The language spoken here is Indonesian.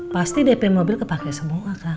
pasti dp mobil kepake semua kan